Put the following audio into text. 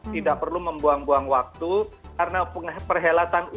tidak perlu membuang buang waktu karena perhelatan u tujuh belas